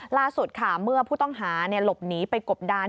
ล่าสุดค่ะเมื่อผู้ต้องหาหลบหนีไปกบดาน